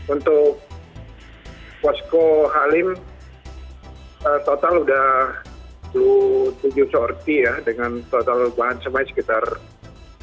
untuk post co halim total sudah tujuh belas sorti ya dengan total bahan semai sekitar tiga puluh ton